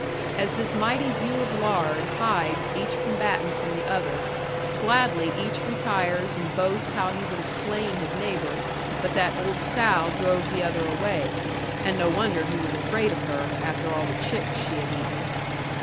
As this mighty view of lard hides each combatant from the other, gladly each retires and boasts how he would have slain his neighbour, but that old sow drove the other away, and no wonder he was afraid of her, after all the chicks she had eaten.